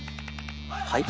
はい？